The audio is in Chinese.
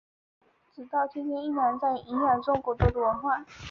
直到今天依然在影响中国的文化。